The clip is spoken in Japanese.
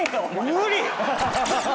無理！